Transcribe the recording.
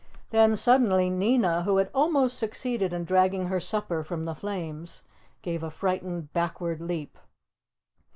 Then suddenly Nina, who had almost succeeded in dragging her supper from the flames, gave a frightened backward leap.